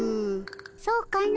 そうかの。